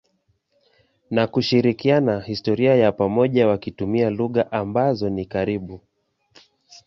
na kushirikiana historia ya pamoja wakitumia lugha ambazo ni karibu.